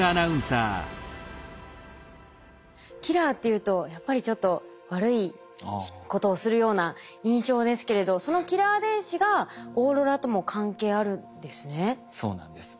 「キラー」っていうとやっぱりちょっと悪いことをするような印象ですけれどそのキラー電子がオーロラとも関係あるんですね。